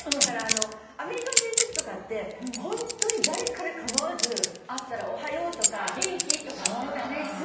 アメリカにいるときとかってホントに誰彼構わず会ったら「おはよう」とか「元気？」とか。そうだね。